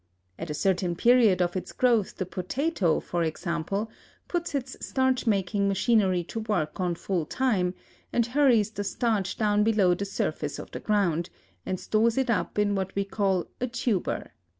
At a certain period of its growth the potato, for example, puts its starch making machinery to work on full time, and hurries the starch down below the surface of the ground, and stores it up in what we call a tuber.